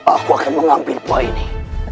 aku akan mengambil buah ini